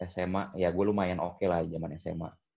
sma ya gue lumayan oke lah jaman sma